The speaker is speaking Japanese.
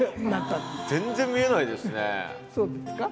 全然見えないですね。